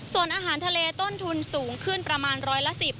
ส่วนอาหารทะเลต้นทุนสูงขึ้นประมาณร้อยละ๑๐